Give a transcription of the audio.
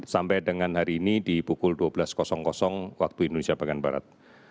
sampai dengan hari ini di pukul dua belas waktu indonesia bagian barat